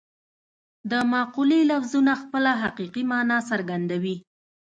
د مقولې لفظونه خپله حقیقي مانا څرګندوي